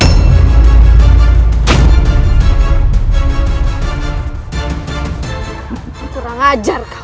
aku kurang ajar kau